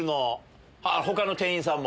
他の店員さんも。